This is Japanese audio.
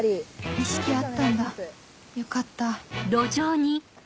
意識あったんだよかった